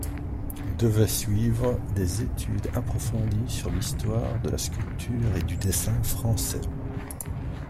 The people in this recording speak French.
Devaient suivre des études approfondies sur l’histoire de la sculpture et du dessin français.